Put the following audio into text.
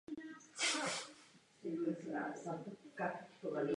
Po vzniku Československa byl členem Československé sociálně demokratické strany dělnické.